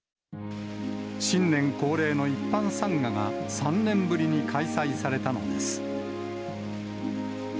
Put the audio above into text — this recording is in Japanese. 新年恒例の一般参賀が、３年ぶりに開催されたのです。